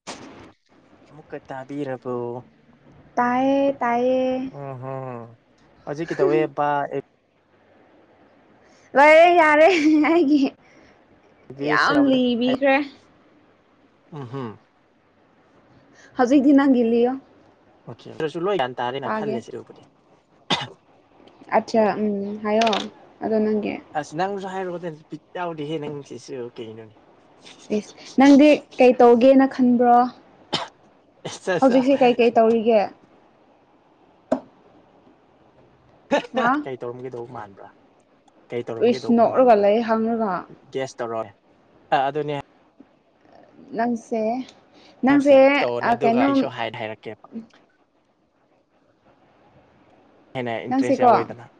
[inaudible] ꯑꯃꯨꯛꯀ ꯇꯥꯕꯤꯔꯕꯣ ꯇꯥꯌꯦ ꯇꯥꯌꯦ ꯑꯣ ꯍꯧꯖꯤ ꯀꯩꯗꯧꯋꯦꯕ ꯕꯥꯏ ꯂꯩꯔꯦ ꯌꯥꯔꯦ ꯑꯩꯒꯤ ꯌꯥꯝ ꯑꯦꯕꯗ ꯂꯤꯕꯤꯈ꯭ꯔꯦ ꯎꯝ ꯍꯝ ꯍꯧꯖꯤꯛꯗꯤ ꯅꯪꯒꯤ ꯂꯤꯌꯣ ꯑꯣꯀꯦ ꯑꯗꯨꯁꯨ ꯂꯣꯏ ꯒꯌꯥꯟ ꯇꯥꯔꯦꯅ ꯇꯥꯒꯦ ꯈꯜꯂꯦ ꯁꯤ ꯎꯞꯄꯗꯤ ꯑꯠꯆꯥ ꯎꯝ ꯍꯥꯏꯌꯣ ꯑꯗꯣ ꯅꯪꯒꯤ ꯑꯁ ꯅꯪꯁꯨ ꯍꯥꯏꯔꯛꯑꯣ ꯗꯤ ꯕꯤꯠ ꯌꯥꯎꯗꯦꯍꯦ ꯅꯪ ꯁꯤꯁꯨ ꯀꯩꯅꯣꯅꯦ ꯑꯦꯁ ꯅꯪꯗꯤ ꯀꯩ ꯇꯧꯒꯦꯅ ꯈꯟꯕ꯭ꯔꯣ ꯑꯠꯆꯥ ꯑꯠꯆꯥ ꯍꯧꯖꯤꯛꯁꯦ ꯀꯩꯀꯩ ꯇꯧꯔꯤꯒꯦ ꯍꯥ ꯀꯩ ꯇꯧꯔꯝꯒꯗꯧꯕ ꯃꯥꯟꯕ꯭ꯔꯥ ꯀꯩ ꯇꯧꯔꯝꯒ ꯏꯁ ꯇꯧꯕ ꯅꯣꯛꯔꯒ ꯃꯥꯟꯕ꯭ꯔꯥ ꯂꯩ ꯍꯪꯔꯒ ꯒꯦꯁ ꯇꯧꯔꯛ ꯑꯣꯅꯦ ꯑꯗꯨꯅꯦ ꯅꯪꯁꯦ ꯅꯪꯁꯦ ꯍꯥꯏꯕꯁꯦ ꯇꯧꯔꯣꯅꯦ ꯑꯗꯨꯒ ꯀꯩꯅꯣ ꯑꯩꯁꯨ ꯍꯥꯏ ꯍꯥꯏꯔꯛꯀꯦꯕ ꯍꯦꯟꯅ ꯏꯟꯇꯔꯦꯁ ꯅꯪꯁꯦꯀꯣ ꯌꯥꯎꯋꯦꯗꯅ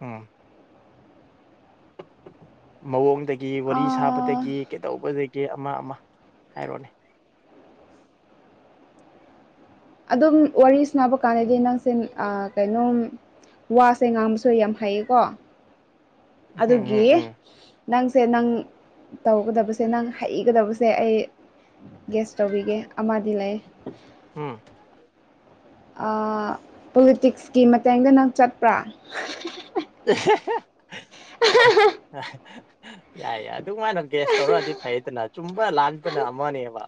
ꯎꯝ ꯃꯑꯣꯡꯗꯒꯤ ꯋꯥꯔꯤ ꯑꯥ ꯁꯥꯕꯗꯒꯤ ꯀꯩꯗꯧꯕꯗꯒꯤ ꯑꯃ ꯑꯃ ꯍꯥꯏꯔꯣꯅꯦ ꯑꯗꯨꯝ ꯋꯥꯔꯤ ꯁꯅꯕ ꯀꯥꯟꯗꯗꯤ ꯅꯪꯁꯦ ꯑ ꯀꯩꯅꯣꯝ ꯋꯥꯁꯦ ꯉꯥꯡꯕꯁꯨ ꯌꯥꯝ ꯍꯩꯌꯦꯀꯣ ꯎꯝ ꯑꯗꯨꯒꯤ ꯎꯝ ꯎꯝ ꯅꯪꯁꯦ ꯅꯪ ꯇꯧꯒꯗꯕꯁꯦ ꯅꯪ ꯍꯩꯒꯗꯕꯁꯦ ꯑꯩ ꯒꯦꯁ ꯇꯧꯕꯤꯒꯦ ꯑꯃꯗꯤ ꯂꯩꯥꯌꯦ ꯎꯝ ꯑꯩ ꯄꯣꯂꯤꯇꯤꯛꯁꯀꯤ ꯃꯇꯦꯡꯗ ꯅꯪ ꯆꯠꯄ꯭ꯔꯥ ꯍꯥꯍꯥꯍꯥ ꯌꯥꯏꯌꯦ ꯑꯗꯨꯃꯥꯏꯅ ꯒ꯭ꯦꯁ ꯇꯧꯔꯛꯑꯗꯤ ꯐꯩꯗꯅ ꯆꯨꯝꯕ ꯂꯥꯟꯕꯅ ꯑꯃꯅꯦꯕ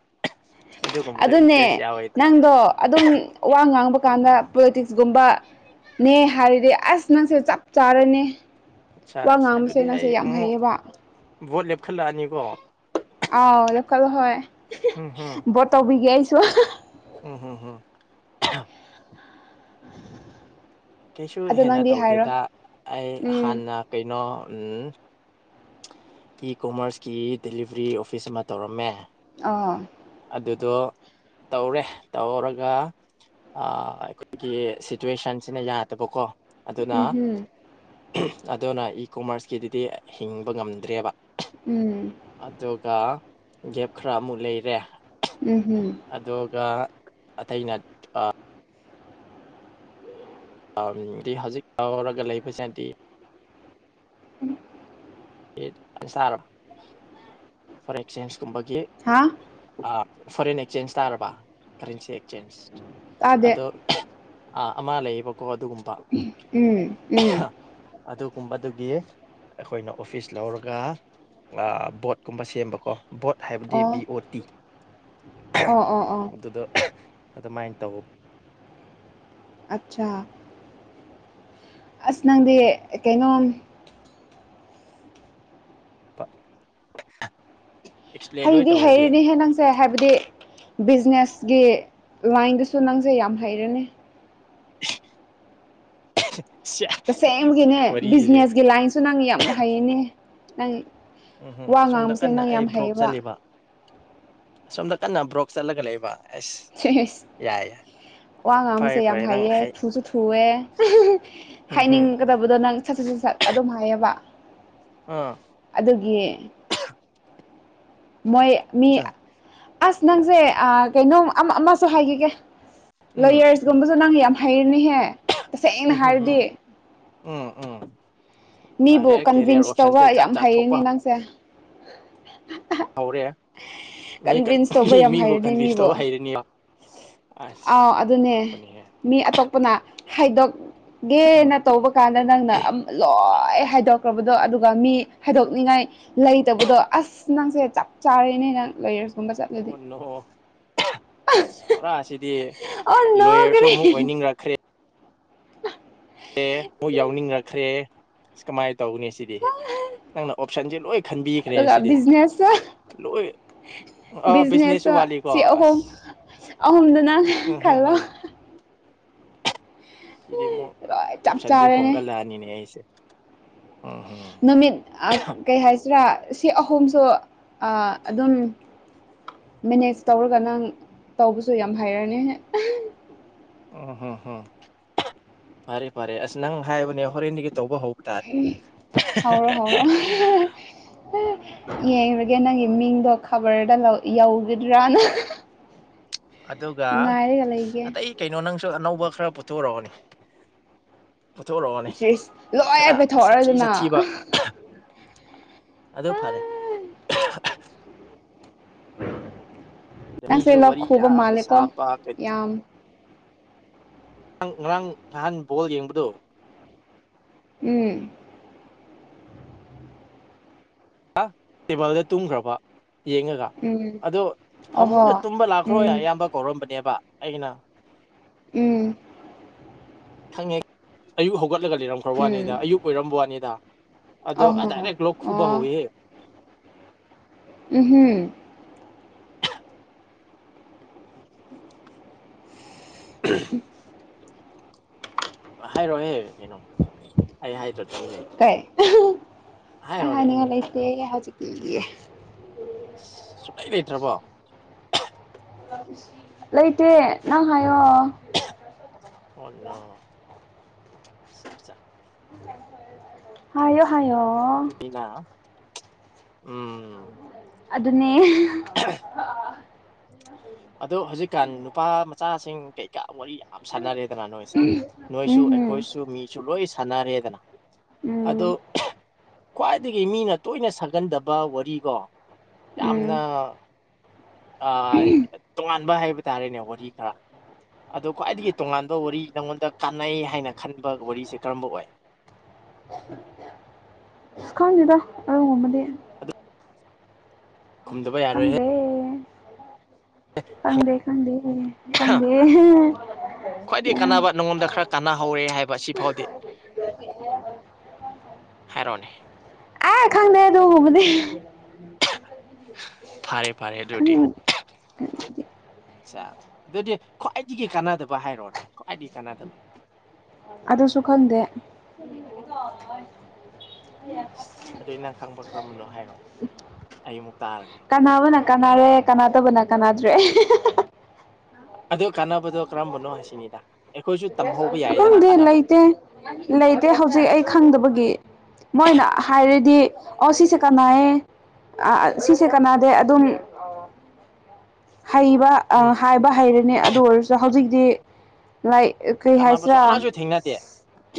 ꯑꯗꯨꯒꯨꯝꯕꯗꯣ ꯑꯗꯨꯅꯦ ꯏꯟꯇꯔꯦꯁ ꯌꯥꯎꯋꯦꯗꯅ ꯅꯪꯗꯣ ꯑꯗꯨꯝ ꯋꯥ ꯉꯥꯡꯕ ꯀꯥꯟꯗ ꯄꯣꯂꯤꯇꯤꯛꯁꯀꯨꯝꯕ ꯅꯦ ꯍꯥꯏꯔꯗꯤ ꯑꯁ ꯅꯪꯁꯦ ꯆꯞ ꯆꯥꯔꯦꯅꯦ ꯑꯠꯁꯥ ꯋꯥ ꯉꯥꯡꯕꯁꯦ ꯅꯪꯁꯦ ꯌꯥꯝ ꯍꯩꯌꯦꯕ ꯕꯣꯠ ꯂꯦꯞꯈꯠꯂꯛꯑꯅꯤꯀꯣ ꯑ ꯂ ꯀꯂꯣ ꯍ [inaudible] ꯍꯝ ꯍꯝ ꯇꯧꯕꯤꯒꯦ ꯑꯩꯁꯨ ꯑꯣ ꯍꯣ ꯍꯝ ꯀꯩꯁꯨ ꯑꯗꯣ ꯍꯦꯟꯅ ꯅꯪꯗꯤ ꯍꯥꯏꯔꯣ ꯇꯧꯗꯦꯗ ꯑꯩ ꯎꯝ ꯍꯥꯟꯅ ꯀꯩꯅꯣ ꯑꯝ ꯀꯤ ꯀꯣꯃꯔꯁꯀꯤ ꯗꯦꯂꯤꯚꯔꯤ ꯑꯣꯐꯤꯁ ꯑꯃ ꯇꯧꯔꯝꯃꯦ ꯑꯧ ꯑꯗꯨꯗꯣ ꯇꯧꯔꯦ ꯇꯧꯔꯒ ꯑꯩ ꯑꯩꯈꯣꯏꯒꯤ ꯁꯤꯆꯋꯦꯁꯟꯁꯤꯅ ꯌꯥꯗꯕꯀꯣ ꯑꯗꯨꯅ ꯎꯝ ꯍꯝ ꯑꯗꯨꯅ ꯏ ꯀꯣꯃꯔꯁꯀꯤꯗꯨꯗꯤ ꯍꯤꯡꯕ ꯉꯝꯗ꯭ꯔꯦꯕ ꯎꯝ ꯑꯗꯨꯒ ꯒꯦꯞ ꯈꯔ ꯑꯃꯨꯛ ꯂꯩꯔꯦ ꯎꯝ ꯎꯝ ꯑꯗꯨꯒ ꯑꯇꯩꯅ ꯑꯝ ꯗꯤ ꯍꯧꯖꯤꯛ ꯇꯧꯔꯒ ꯂꯩꯕꯁꯤꯅꯗꯤ ꯑꯦ ꯁꯥꯔꯣ ꯐꯣꯔ ꯑꯦꯛꯆꯦꯟꯁ ꯀꯨꯝꯕꯒꯤ ꯍꯥꯥꯎ ꯑꯥ ꯐꯣꯔꯦꯟ ꯑꯦꯛꯆꯦꯟꯖ ꯇꯥꯔꯕ ꯀꯔꯦꯟꯁꯤ ꯑꯦꯛꯆꯦꯟꯖ ꯇꯥꯗꯦ ꯑꯗꯣ ꯑꯥ ꯑꯃ ꯂꯩꯌꯦꯕꯀꯣ ꯑꯗꯨꯒꯨꯝꯕ ꯎꯝ ꯎꯝ ꯑꯗꯨꯒꯨꯝꯕꯗꯨꯒꯤ ꯑꯩꯈꯣꯏꯅ ꯑꯣꯐꯤꯁ ꯂꯧꯔꯒ ꯑꯥ ꯕꯣꯠꯀꯨꯝꯕ ꯁꯦꯝꯕꯀꯣ ꯕꯣꯠ ꯍꯥꯏꯕꯗꯤ ꯕꯤ ꯑꯣ ꯇꯤ ꯑꯣ ꯑꯣ ꯑꯣ ꯑꯗꯨꯗ ꯑꯗꯨꯃꯥꯏꯅ ꯇꯧꯕ ꯑꯆꯥ ꯑꯁ ꯅꯪꯗꯤ ꯀꯩꯅꯣꯝ [unintelligible] ꯑꯦꯛꯁꯄ꯭ꯂꯦꯟ ꯂꯣꯏ ꯍꯩꯗꯤ ꯇꯧꯔꯗꯤ ꯍꯩꯔꯤꯅꯤꯅꯦ ꯍꯦ ꯅꯪ ꯁꯦ ꯍꯥꯏꯕꯗꯤ ꯕꯤꯖꯤꯅꯦꯁꯒꯤ ꯂꯥꯏꯟꯗꯁꯨ ꯅꯪꯁꯦ ꯌꯥꯝ ꯍꯩꯔꯅꯤ [unintelligible] [unintelligible] ꯁ꯭ꯌꯥ ꯇꯁꯦꯡꯕꯒꯤꯅꯦ ꯕꯤꯖꯤꯅꯦꯁꯒꯤ ꯂꯥꯏꯟꯁꯨ ꯅꯪ ꯌꯥꯝ ꯍꯩꯔꯅꯤ ꯅꯪ ꯎꯝꯍꯝ ꯋꯥ ꯑꯁꯣꯝꯗ ꯉꯥꯡꯕꯁꯦ ꯀꯟꯅ ꯅꯪ ꯑꯩ ꯌꯥꯝ ꯕ꯭ꯔꯣꯛ ꯍꯩꯕꯥ ꯆꯠꯂꯤꯕ ꯑꯁꯣꯝꯗ ꯀꯟꯅ ꯕ꯭ꯔꯣꯛ ꯆꯠꯂꯒ ꯂꯩꯕ ꯑꯁ ꯁꯦꯁ ꯌꯥꯏ ꯋꯥ ꯐꯔꯦ ꯉꯥꯡꯕꯁꯦ ꯌꯥꯝ ꯐꯔꯦ ꯅꯪ ꯍꯩꯌꯦ ꯍꯌꯦꯡ ꯊꯨꯁꯨ ꯊꯨꯋ‌ꯦ ꯎꯝꯍꯝ ꯍꯥꯏꯅꯤꯡꯒꯗꯕꯗꯣ ꯅꯪ ꯁꯠ ꯁꯠ ꯁꯠ ꯁꯠ ꯑꯗꯨꯝ ꯍꯥꯏꯌꯦꯕ ꯑꯥ ꯑꯗꯨꯒꯤ ꯃꯣꯏ ꯃꯤ ꯑꯆꯥ ꯑꯁ ꯅꯪꯁꯦ ꯑꯥ ꯀꯩꯅꯣꯝ ꯑꯃ ꯑꯃꯁꯨ ꯍꯥꯏꯈꯤꯒꯦ ꯎꯝ ꯒꯨꯝꯕꯁꯨ ꯅꯪ ꯌꯥꯝ ꯍꯥꯏꯔꯅꯤꯍꯦ ꯎ [unintelligible] ꯎ ꯎ ꯃꯤꯕꯨ ꯀꯟꯚꯤꯟꯁ ꯇꯧꯕ ꯌꯥꯝ ꯖꯥꯠ ꯊꯣꯛꯄ ꯍꯩꯌꯦꯅꯦ ꯅꯪꯁꯦ ꯍꯧꯔꯦ ꯃꯤ ꯀꯟ ꯀꯟꯚꯤꯟꯁ ꯇꯧꯕ ꯃꯤ ꯌꯥꯝ ꯃꯤꯕꯨ ꯍꯩꯔꯅꯤ ꯀꯟꯚꯤꯟꯁ ꯃꯤꯕꯨ ꯇꯧꯕ ꯍꯩꯔꯅꯤꯕ ꯑꯁ ꯑꯥꯎ ꯑꯗꯨꯅꯦ ꯉꯛꯄꯅꯤꯍꯦ ꯃꯤ ꯑꯇꯣꯞꯄꯅ ꯎꯝ ꯍꯥꯏꯗꯣꯛꯒꯦꯅ ꯇꯧꯕ ꯀꯥꯟꯗ ꯅꯪꯅ ꯑꯝ ꯂꯣ ꯂ‌ꯣꯏ ꯍꯥꯏꯗꯣꯛꯈ꯭ꯔꯕꯗꯣ ꯑꯗꯨꯒ ꯃꯤ ꯍꯥꯏꯗꯣꯛꯅꯤꯡꯉꯥꯏ ꯂꯩꯇꯕꯗꯣ ꯑꯁ ꯅꯪꯁꯦ ꯆꯞ ꯆꯥꯔꯦꯅꯦ ꯅꯪ ꯂ‌ꯣꯌꯔꯁ ꯑꯣ ꯅꯣ ꯄꯨꯔꯥ ꯁꯤꯗꯤ ꯑꯣ ꯅꯣ ꯂꯣꯌꯔꯁꯨ ꯀꯔꯤ ꯑꯃꯨꯛ ꯑꯣꯏꯅꯤꯡ ꯔꯛ ꯑꯦ ꯃꯣꯏ ꯌꯥꯎꯅꯤꯡꯉꯛꯈ꯭ꯔꯦ ꯑꯁ ꯀꯃꯥꯏ ꯇꯧꯅꯤ ꯁꯤ ꯑꯦ ꯅꯪꯅ ꯑꯣꯞꯁꯟꯁꯦ ꯂꯣꯏ ꯈꯟꯕꯤꯈ꯭ꯔꯦ ꯑꯗꯨꯒ ꯁꯤꯗꯤ ꯕꯤꯖꯤꯅꯦꯁꯁꯨ ꯂꯣꯏ ꯑ ꯕꯤꯖꯤꯅꯦꯁ ꯕꯤꯖꯤꯅꯦꯁꯁꯨ ꯋꯥꯠꯂꯤ ꯀꯣ ꯁꯤ ꯑꯁ ꯑꯍꯨꯝ ꯑꯍꯨꯝꯗꯨ ꯅꯪ ꯎꯝ ꯍꯝ ꯈꯜꯂꯣ ꯍꯝ ꯁꯤꯗꯤ ꯑꯃꯨꯛ ꯂꯣꯏ ꯆꯞ ꯑꯣꯞꯁꯟꯖ‌ꯦ ꯆꯥꯔꯦꯅꯦ ꯍꯣꯡꯒꯠꯂꯑꯅꯤꯅꯦ ꯑꯩꯁꯦ ꯎꯍꯝ ꯅꯨꯃꯤꯠ ꯑ ꯀꯩ ꯍꯥꯏꯁꯤꯔꯥ ꯁꯤ ꯑꯍꯨꯝꯁꯨ ꯑ ꯑꯗꯨꯝ ꯃꯦꯅꯦꯖ ꯇꯧꯔꯒ ꯅꯪ ꯇꯧꯕꯁꯨ ꯌꯥꯝ ꯍꯩꯔꯅꯤ [unintelligible] ꯐꯔꯦ ꯐꯔꯦ ꯑꯁ ꯅꯪ ꯍꯥꯏꯕꯅꯦ ꯍꯣꯔꯦꯟꯗꯒꯤ ꯇꯧꯕ ꯍꯧ [unintelligible] ꯍꯧꯔꯣ ꯍꯧꯔꯣ [unintelligible] ꯌꯦꯡꯔꯒꯦ ꯅꯪꯒꯤ ꯃꯤꯡꯗꯣ ꯈꯕꯔꯗ ꯂꯧ ꯌꯧꯒꯗ꯭ꯔꯅ ꯑꯗꯨꯒ ꯂꯩꯒꯦ ꯑꯇꯩ ꯀꯩꯅꯣ ꯅꯪꯁꯨ ꯑꯅꯧꯕ ꯈꯔ ꯄꯨꯊꯣꯔꯑꯣꯅꯦ ꯄꯨꯊꯣꯔꯑꯣꯅꯦ ꯁꯤꯁ ꯂꯣꯏ ꯈꯔ ꯁꯥꯊꯤ ꯄꯩꯊꯣꯛꯑꯗꯅ ꯁꯥꯊꯤꯕ ꯑꯗꯨ ꯐꯔꯦ ꯗ ꯅꯪꯁꯦ ꯃꯤꯁꯨ ꯂꯣꯛ ꯋꯥꯔꯤ ꯈꯨꯕ ꯌꯥꯝꯅ ꯃꯥꯜꯂꯦꯀꯣ ꯁꯥꯕ [unintelligible] ꯌꯥꯝ ꯅꯪ ꯉꯔꯥꯡ ꯅꯍꯥꯟ ꯕꯣꯜ ꯌꯦꯡꯕꯗꯣ ꯎꯝ ꯑ ꯇꯦꯕꯜꯗ ꯇꯨꯝꯈ꯭ꯔꯕ ꯌꯦꯡꯉꯒ ꯎꯝ ꯑꯗꯣ ꯑꯣꯍꯣ ꯐꯃꯨꯡꯗ ꯇꯨꯝꯕ ꯂꯥꯛꯈ꯭ꯔꯣ ꯎꯝ ꯑꯌꯥꯝꯕ ꯀꯧꯔꯝꯕꯅꯦꯕ ꯑꯩꯅ ꯎꯝ ꯈꯪꯉꯦ ꯑꯌꯨꯛ ꯍꯧꯒꯠꯂꯒ ꯂꯩꯔꯝꯈ꯭ꯔ ꯎꯝ ꯋꯥꯅꯤꯗ ꯑꯌꯨꯛ ꯑꯣꯏꯔꯝꯕꯋꯥꯅꯤꯗ ꯑꯗꯣ ꯑ ꯑꯍꯣ ꯗꯥꯏꯔꯦꯛ ꯂꯣꯛ ꯈꯨꯕ ꯑꯣ ꯍꯧꯋꯦꯍꯦ ꯎꯝꯍꯨꯝ ꯎꯝ ꯍꯥꯏꯔꯣꯍꯦ ꯀꯩꯅꯣ ꯑꯩ ꯍꯥꯏꯗ꯭ꯔꯣ ꯇꯨꯃꯤꯟ ꯂꯩ ꯀꯩ ꯑꯩ ꯍꯥꯏꯔꯣꯅꯦ ꯑꯦꯅꯤ ꯍꯥꯅꯤꯡꯉꯥꯏ ꯂꯩꯇꯦ ꯍꯖꯤꯛꯀꯤꯗꯤ ꯁꯨꯛꯂꯩ ꯂꯩꯇ꯭ꯔꯕꯣ ꯂꯩꯇꯦ ꯅꯪ ꯍꯥꯏꯌꯣ ꯑꯣ ꯅꯣ ꯆꯥꯆꯥ ꯍꯥꯏꯌꯣ ꯍꯥꯏꯌꯣ ꯑꯗꯨꯗꯤꯅ ꯎꯝ ꯑꯗꯨꯅꯦ [unintelligible] ꯑꯗꯣ ꯍꯧꯖꯤꯛꯀꯥꯟ ꯅꯨꯄꯥ ꯃꯆꯥꯁꯤꯡ ꯀꯩꯀꯥ ꯋꯥꯔꯤ ꯌꯥ [unintelligible] ꯁꯥꯟꯅꯔꯦꯗꯅ ꯅꯣꯏꯁꯦ ꯅꯣꯏꯁꯨ ꯎꯝ ꯑꯩꯈꯣꯏꯁꯨ ꯃꯤꯁꯨ ꯂꯣꯏ ꯁꯥꯟꯅꯔꯦꯗꯅ ꯎꯝ ꯑꯗꯣ ꯈ꯭ꯋꯥꯏꯗꯒꯤ ꯃꯤꯅ ꯇꯣꯏꯅ ꯁꯥꯒꯟꯗꯕ ꯋꯥꯔꯤꯒꯣ ꯎꯝ ꯌꯥꯝꯅ ꯑꯥ ꯉꯥꯟꯕ ꯍꯥꯏꯕ ꯇꯥꯔꯦꯅꯦ ꯋꯥꯔꯤꯈ꯭ꯔ ꯑꯗꯣ ꯈ꯭ꯋꯥꯏꯗꯒꯤ ꯇꯣꯉꯥꯟꯕ ꯋꯥꯔꯤ ꯅꯪꯉꯣꯟꯗ ꯀꯥꯟꯅꯩ ꯍꯥꯏꯅ ꯈꯟꯕ ꯋꯥꯔꯤꯁꯦ ꯀꯔꯝꯕ ꯑꯣꯏ [unintelligible] [unintelligible] ꯈꯪꯗꯦꯗ ꯑꯔꯨꯒꯨꯝꯕꯗꯤ ꯑꯗꯨ ꯈꯨꯝꯗꯕ ꯌꯥꯔꯣꯏꯍꯦ ꯈꯪꯗꯦ ꯈꯪꯗꯦ ꯈꯪꯗꯦ ꯍꯥꯢꯌꯦ ꯈꯪꯗꯦ [unintelligible] ꯈ꯭ꯋꯥꯏꯗꯒꯤ ꯀꯟꯅꯕ ꯅꯉꯣꯟꯗ ꯈꯔ ꯀꯥꯟꯅꯍꯧꯔꯦ ꯍꯥꯏꯕ ꯁꯤ ꯐꯥꯎꯗꯤ ꯍꯥꯏꯔꯣꯅꯦ ꯑꯥ ꯈꯪꯗꯦ ꯑꯗꯨꯒꯨꯕꯗꯤ ꯐꯥꯔꯦ ꯐꯥꯔꯦ ꯈꯪ ꯑꯗꯨꯗꯤ ꯑꯠꯆꯥ ꯑꯗꯨꯗꯤ ꯈ꯭ꯋꯥꯏꯗꯒꯤ ꯀꯥꯟꯅꯗꯕ ꯍꯥꯏꯔꯣꯅꯦ ꯈ꯭ꯋꯥꯏꯗꯒꯤ ꯀꯥꯟꯅꯗꯕ ꯑꯗꯨꯁꯨ ꯈꯪꯗꯦ ꯑꯁ ꯑꯗꯨꯏ ꯅꯪ ꯈꯪꯕ ꯀꯔꯝꯕꯅꯣ ꯍꯥꯏꯔꯣ ꯑꯩ ꯃꯨꯛ ꯇꯥꯔꯒꯦ ꯀꯥꯟꯅꯕꯅ ꯀꯥꯟꯅꯔꯦ ꯀꯥꯟꯅꯗꯕꯅ ꯀꯥꯟꯅꯗ꯭ꯔꯦ ꯑꯗꯨ ꯀꯥꯟꯅꯕꯗꯣ ꯀꯔꯝꯕꯅꯣ ꯁꯤꯅꯤꯗ ꯑꯩꯈꯣꯏꯁꯨ ꯇꯝꯍꯧꯕ ꯌꯥꯏꯗꯅ ꯈꯪꯗꯦ ꯀꯥꯟꯅꯕꯗꯨꯗꯤ ꯂꯩꯇꯦ ꯂꯩꯇꯦ ꯍꯧꯖꯤꯛ ꯑꯩ ꯈꯪꯗꯕꯒꯤ ꯃꯣꯏꯅ ꯍꯥꯏꯔꯗꯤ ꯑꯣ ꯁꯤꯁꯦ ꯀꯅꯩꯑꯦ ꯑꯥꯑꯥ ꯁꯤꯁꯦ ꯀꯅꯥꯗꯦ ꯑꯗꯨꯝ ꯍꯩꯕ ꯎꯝ ꯑꯥ ꯍꯥꯏꯕ ꯍꯩꯔꯅꯤ ꯑꯗꯨ ꯑꯣꯏꯔꯁꯨ ꯍꯧꯖꯤꯛꯇꯤ ꯂꯥꯏꯛ ꯀ꯭ꯔꯤ ꯀꯥꯟꯅꯕꯁꯨ ꯍꯥꯏꯁꯤꯔ ꯑꯃꯁꯨ ꯊꯦꯡꯅꯗꯦ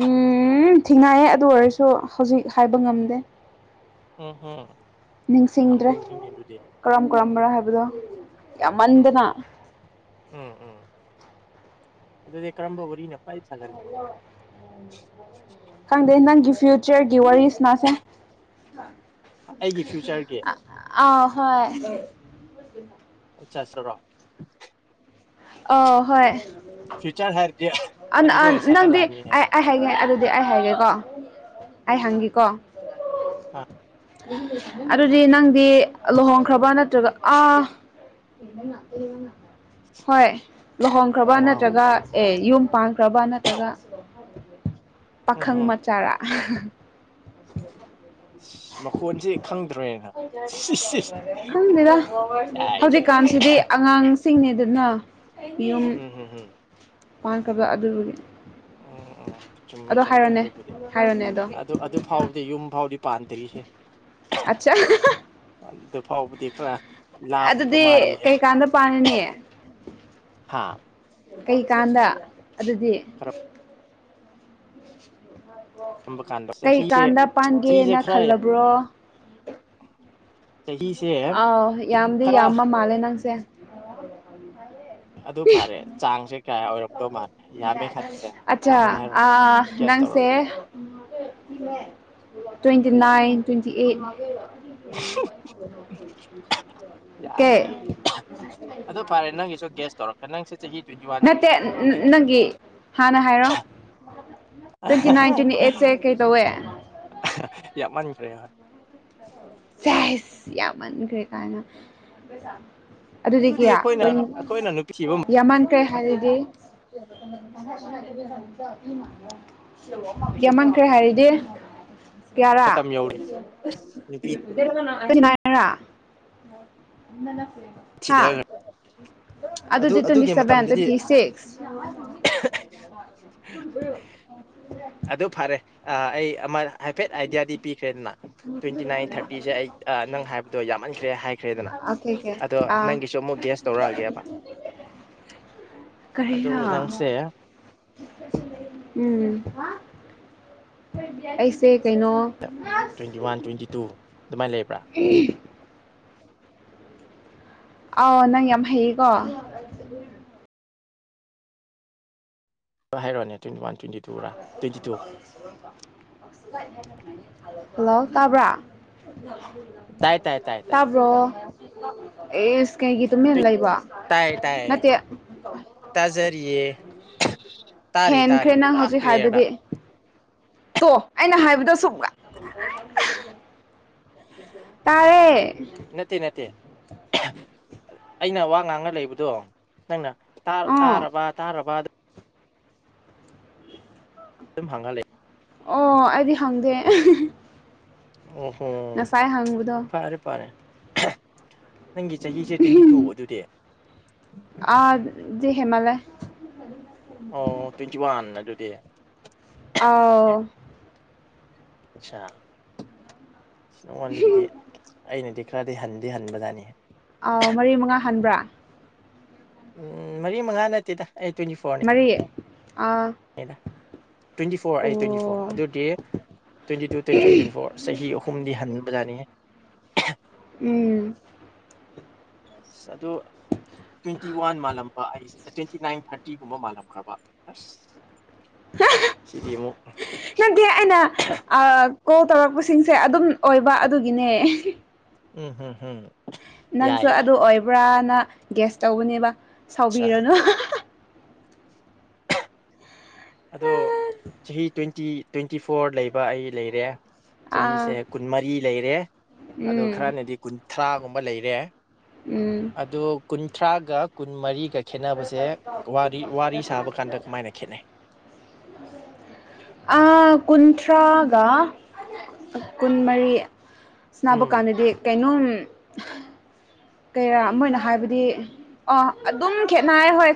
ꯎꯝ ꯊꯦꯡꯅꯥꯏꯌꯦ ꯑꯗꯨ ꯑꯣꯏꯔꯁꯨ ꯍꯧꯖꯤꯛ ꯍꯥꯏꯕ ꯉꯝꯗꯦ ꯎꯝ ꯍꯝ ꯌꯥꯝ ꯅꯤꯡꯁꯤꯡꯗ꯭ꯔꯦ ꯂꯨꯔꯤꯅꯦ ꯑꯗꯨꯗꯤ ꯀꯔꯝ ꯀꯔꯝꯕ꯭ꯔꯥ ꯍꯥꯏꯕꯗꯣ ꯎꯝ ꯌꯥꯝꯃꯟꯗꯅ ꯎꯝ ꯎꯝ ꯑꯗꯨꯗꯤ ꯀꯔꯝꯕ ꯋꯥꯔꯤꯅ ꯈ꯭ꯋꯥꯏ [unintelligible] [unintelligible] ꯈꯪꯗꯦ ꯅꯪꯒꯤ ꯐ꯭ꯌꯨꯆꯔꯒꯤ ꯋꯥꯔꯤ ꯁ꯭ꯅꯥꯁꯦ ꯑꯩꯒꯤ ꯐ꯭ꯌꯨꯆꯔꯒꯤ ꯑꯥ ꯍꯣꯏ [unintelligible] ꯑ ꯍꯣꯏ ꯐ꯭ꯌꯨꯆꯥꯔ ꯍꯥꯏꯔꯗꯤ ꯑꯟ ꯑꯗꯨꯗ ꯑꯟ ꯑꯣꯏꯅ ꯅꯪꯗꯤ ꯁꯥꯒꯠꯂꯛꯑꯅꯤꯅꯦ ꯑꯥꯢ ꯑꯩ ꯍꯥꯏꯒꯦ ꯑꯗꯨꯗꯤ ꯑꯩ ꯍꯥꯏꯒꯦꯀꯣ ꯑꯩ ꯍꯪꯒꯤꯀꯣ ꯑꯥ ꯑꯗꯨꯗꯤ ꯅꯪꯗꯤ ꯑꯂꯣꯍꯪꯈ꯭ꯔꯕ ꯅꯠꯇ꯭ꯔꯒ ꯑꯥ ꯍꯣꯏ ꯂꯣꯍꯪꯈ꯭ꯔꯕ ꯍꯪꯉꯣ ꯍꯪꯉꯣ ꯅꯠꯇ꯭ꯔꯒ ꯑꯦ ꯌꯨꯝ ꯄꯥꯟꯈ꯭ꯔꯕ ꯅꯠꯇ꯭ꯔꯒ ꯎꯝ ꯄꯥꯈꯪ ꯍꯝ ꯃꯆꯥꯔꯥ ꯑꯍꯥ [inaudible] ꯁꯤ ꯃꯈꯣꯟꯖꯦ ꯈꯪꯗ꯭ꯔꯦꯅ ꯁꯤꯁ ꯁꯤꯁ ꯌꯥꯏ ꯌꯥꯏ ꯌꯥꯏ ꯑꯉꯥꯡꯁꯤꯡꯅꯦꯗꯅ ꯌꯨꯝ ꯎꯝ ꯎꯝ ꯀꯕ ꯑꯗꯨꯒꯤ ꯎꯝ ꯎꯝ ꯆꯨꯝꯃꯦ ꯆꯨꯝꯃꯦ ꯑꯗꯨꯕꯨꯗꯤ ꯍꯥꯏꯔꯣꯅꯦ ꯑꯗꯣ ꯑꯗꯨ ꯑꯗ ꯗꯨ ꯐꯥꯎꯗꯤ ꯌꯨꯝ ꯐꯥꯎꯗꯤ ꯄꯥꯟꯗ꯭ꯔꯤꯍꯦ ꯑꯆꯥ ꯑꯍꯥꯍꯥ ꯑꯗꯨ ꯐꯥꯎꯕꯗꯤ ꯈꯔ ꯂꯥꯞꯄꯤꯕ ꯑꯗꯨꯗꯤ ꯃꯥꯜꯂꯤꯌꯦ ꯀꯩꯀꯥꯟꯗ ꯄꯥꯔꯅꯤ ꯍꯥꯥ ꯀꯩꯀꯥꯟꯗ ꯑꯗꯨꯗꯤ ꯀꯔꯝꯕ ꯀꯥꯟꯗ ꯆꯍꯤꯁꯦ ꯀꯩꯀꯥꯟꯗ ꯆꯍꯤꯁꯦ ꯄꯥꯟꯒꯦꯅ ꯈꯔ ꯌꯥꯝ ꯈꯜꯂꯕ꯭ꯔꯣ ꯆꯍꯤꯁꯦ ꯑꯥꯎ ꯌꯥꯝꯗꯤ ꯈꯔ ꯌꯥꯝꯃ ꯃꯥꯜꯂꯦ ꯅꯪꯁꯦ ꯑꯗꯨ ꯐꯔꯦ ꯆꯥꯡꯖꯦ ꯑꯆꯥ ꯆꯥꯡꯅꯦ ꯍꯥꯏꯔꯣ ꯑꯥ ꯒ꯭ꯌꯥꯁ ꯇꯧꯔꯣ ꯅꯪꯁꯦ ꯇ꯭ꯋꯦꯟꯇꯤ ꯅꯥꯏꯟ ꯇ꯭ꯋꯦꯟꯇꯤ ꯑꯦꯠ ꯀꯦ ꯌꯥꯏ ꯌꯥꯏ ꯑꯗꯨ ꯐꯔꯦ ꯅꯪꯒꯤꯁꯨ ꯒꯦꯁ ꯇꯧꯔꯛꯀꯦ ꯅꯪꯁꯤꯠ ꯆꯍꯤ ꯇꯨꯋꯦꯟꯇꯤ ꯋꯥꯟ ꯅꯠꯇꯦ ꯇ꯭ꯋꯦꯟꯇꯤ ꯅꯅꯪꯒꯤ ꯍꯥꯟꯅ ꯍꯥꯏꯔꯣ ꯇꯨꯋꯦꯟꯇꯤ ꯅꯥꯏꯟ ꯇꯨꯋꯦꯟꯇꯤ ꯑꯦꯠꯁꯦ ꯀꯩ ꯇꯧꯋꯦ ꯑꯍꯥ ꯌꯥꯃꯟꯈ꯭ꯔꯦ ꯍꯣꯢ ꯆꯥꯢꯁ ꯌꯥꯝꯃꯟꯈ꯭ꯔꯦ ꯀꯥꯢꯅ ꯑꯗꯨꯗꯤ ꯀꯌꯥ ꯑꯩꯈꯣꯏꯅ ꯇꯣꯢꯟ ꯑꯩꯈꯣꯏꯅ ꯅꯨꯄꯤ ꯊꯤꯕ ꯌꯥꯝꯃꯟꯈ꯭ꯔꯦ ꯍꯥꯏꯔꯗꯤ ꯌꯥꯝꯃꯟꯈ꯭ꯔꯦ ꯍꯥꯏꯔꯗꯤ ꯭ꯀ꯭ꯌꯥꯔ ꯃꯇꯝ ꯌꯧꯔꯦ ꯅꯨꯄꯤ [unintelligible] ꯍꯥ ꯊꯤꯗꯈ꯭ꯔꯦ ꯑꯗꯨ ꯑꯗꯨꯗꯤ ꯇꯣꯢꯟꯇꯤ ꯑꯗꯨꯒꯤ ꯁꯚꯦꯟ ꯃꯇꯝꯗꯗꯤ ꯇꯣꯢꯟꯇꯤ ꯁꯤꯛꯁ ꯑꯗꯨ ꯐꯔꯦ ꯑꯥ ꯑꯩ ꯑꯃ ꯍꯥꯏꯐꯦꯠ ꯑꯥꯏꯗꯤꯌꯥꯗꯤ ꯄꯤꯈ꯭ꯔꯦꯗꯅ ꯇꯣꯢꯟꯇꯤ ꯅꯥꯏꯟ ꯊꯔꯇꯤꯁꯦ ꯑꯩ ꯑꯥ ꯅꯪ ꯍꯥꯏꯕꯗꯣ ꯌꯥꯝꯃꯟꯈ꯭ꯔꯦ ꯍꯥꯏꯈ꯭ꯔꯦꯗꯅ ꯑꯣꯀꯦ ꯑꯣꯀꯦ ꯑꯗꯣ ꯑꯥ ꯅꯪꯒꯤꯁꯨ ꯑꯃꯨꯛ ꯒꯦꯁ ꯇꯧꯔꯛꯑꯒꯦꯕ ꯑꯗꯨ ꯀꯔꯤꯔꯥ ꯅꯪꯁꯦ ꯎꯝ ꯑꯩꯁꯦ ꯀꯩꯅꯣ ꯇ꯭ꯋꯦꯟꯇꯤ ꯋꯥꯟ ꯇ꯭ꯋꯦꯟꯇꯤ ꯇꯨ ꯑꯗꯨꯃꯥꯏꯅ ꯂꯩꯕ꯭ꯔ [unintelligible] ꯑꯥꯎ ꯅꯪ ꯌꯥꯝ ꯍꯩꯌꯦꯀꯣ ꯍꯥꯏꯔꯣꯅꯦ twenty one twenty tour twenty two [unintelligible] hello ꯇꯥꯕ꯭ꯔ ꯇꯥꯏ ꯇꯥꯏ ꯇꯥꯏ ꯇꯥꯏ ꯇꯥꯕ꯭ꯔꯣ ꯑꯦꯁ ꯀꯩꯒꯤ ꯇꯨꯃꯤꯟ ꯂꯩꯕ ꯇꯌꯦ ꯇꯌꯦ ꯅꯠꯇꯦ ꯇꯖꯔꯤꯌꯦ ꯇꯔꯤ ꯍꯦꯟꯈ꯭ꯔꯦ ꯇꯔꯤ ꯅꯪ ꯍꯧꯖꯤꯛ ꯍꯥꯏꯕꯗꯤ ꯇꯣ ꯑꯩꯅ ꯍꯥꯏꯕꯗꯣ ꯁꯨꯝꯒ ꯇꯥꯔꯦ ꯅꯠꯇꯦ ꯅꯠꯇꯦ ꯑꯩꯅ ꯋꯥ ꯉꯥꯡꯉꯥ ꯂꯩꯕꯗꯣ ꯅꯪꯅ ꯇꯥꯔ ꯑꯣ ꯇꯥꯔꯕ ꯇꯥꯔꯕ ꯑꯗꯨꯝ ꯍꯥꯡꯉ ꯂꯩ ꯑꯣ ꯑꯩꯗꯤ ꯍꯪꯗꯦ ꯑꯍꯥꯍꯥ ꯑꯣ ꯍꯣ ꯍꯪꯕꯗꯣ ꯐꯔꯦ ꯐꯔꯦ ꯅꯪꯒꯤ ꯆꯍꯤꯁꯦ ꯇ꯭ꯋꯦꯟꯇꯤ ꯇꯨ ꯑꯗꯨꯗꯤ ꯑꯗꯨꯗꯤ ꯍꯦꯃꯜꯂꯦ ꯑꯣ ꯇ꯭ꯋꯦꯟꯇꯤ ꯋꯥꯟ ꯑꯗꯨꯗꯤ ꯑꯥꯎ ꯑꯥꯠꯁ ꯅꯪꯉꯣꯟꯗꯒꯤꯗꯤ ꯑꯩꯅꯗꯤ ꯈꯔꯗꯤ ꯍꯟꯗꯤ ꯍꯟꯕꯖꯠꯅꯤꯍꯦ ꯑꯥꯎ ꯃꯔꯤ ꯃꯉꯥ ꯍꯟꯕ꯭ꯔ ꯎꯝ ꯃꯔꯤ ꯃꯉꯥ ꯅꯠꯇꯦꯗ ꯑꯩ ꯇ꯭ꯋꯦꯟꯇꯤ ꯐꯣꯔꯅꯦ ꯃꯔꯤ ꯑꯥ ꯅꯦꯗ ꯇ꯭ꯋꯦꯟꯇꯤ ꯐꯣꯔ ꯑꯩ ꯇ꯭ꯋꯦꯟꯇꯤ ꯐꯣꯔ ꯑꯣ ꯑꯗꯨꯏꯗꯤ twenty two twenty three twenty four ꯆꯍꯤ ꯑꯍꯨꯝꯗꯤ ꯍꯟꯕꯖꯥꯠꯅꯤꯍꯦ ꯎꯝ ꯑꯁ ꯑꯗꯨ ꯇ꯭ꯋꯦꯟꯇꯤ ꯋꯥꯟ ꯃꯥꯜꯂꯝꯕ ꯑꯩꯁꯦ ꯇ꯭ꯋꯦꯟꯇꯤ ꯅꯥꯏꯟ ꯊꯥꯔꯇꯤꯒꯨꯝꯕ ꯃꯥꯜꯂꯝꯈ꯭ꯔꯕ ꯑꯁ ꯁꯤꯗꯤ ꯑꯃꯨꯛ ꯅꯠꯇꯦ ꯑꯩꯅ ꯑꯥ ꯀꯣꯜ ꯇꯧꯔꯛꯄꯁꯤꯡꯁꯦ ꯑꯗꯨꯝ ꯑꯣꯏꯕ ꯑꯗꯨꯒꯤꯅꯦ ꯎꯝ ꯍꯝ ꯍꯝ ꯌꯥꯏ ꯅꯪꯁꯨ ꯌꯥꯏ ꯑꯗꯨ ꯑꯣꯏꯕ꯭ꯔꯥꯅ ꯒ꯭ꯌꯦꯁ ꯇꯧꯕꯅꯦꯕ ꯑꯠꯆꯥ ꯁꯥꯎꯕꯤꯒꯅꯨ ꯑꯗꯣ ꯆꯍꯤ ꯇ꯭ꯋꯦꯟꯇꯤ ꯇ꯭ꯋꯦꯟꯇꯤ ꯐꯣꯔ ꯂꯩꯕ ꯑꯩ ꯂꯩꯔꯦ ꯑꯥ ꯆꯍꯤꯁꯦ ꯀꯨꯟꯃꯔꯤ ꯂꯩꯔꯦ ꯑꯗꯣ ꯎꯝ ꯈꯔꯅꯗꯤ ꯀꯨꯟꯊ꯭ꯔꯥꯒꯨꯝꯕ ꯂꯩꯔꯦ ꯎꯝ ꯑꯗꯣ ꯀꯨꯟꯊ꯭ꯔꯥꯒ ꯀꯨꯟ ꯃꯔꯤꯒ ꯈꯦꯠꯅꯕꯁꯦ ꯋꯥꯔꯤ ꯋꯥꯔꯤ ꯁꯥꯕ ꯀꯥꯟꯗ ꯀꯃꯥꯏꯅ ꯈꯦꯠꯅꯩ [unintelligible] ꯑꯥ ꯀꯨꯟꯊ꯭ꯔꯒ ꯀꯨꯟꯃꯔꯤ ꯁꯅꯕ ꯎꯝ ꯀꯥꯟꯗꯗꯤ ꯀꯩꯅꯣꯝ ꯀꯩꯔꯥ ꯃꯣꯏꯅ ꯍꯥꯏꯕꯗꯤ ꯑꯗꯨꯝ ꯈꯦꯠꯅꯩ ꯍꯣꯏ